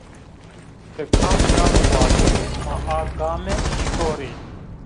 Ti kam game wazenî, ma a game şorî